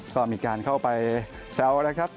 ก็มีการเข้าไปแซวนะครับ